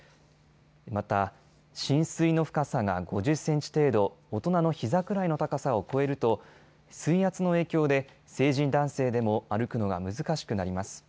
また、浸水の深さが５０センチ程度、大人のひざくらいの高さを超えると水圧の影響で成人男性でも歩くのが難しくなります。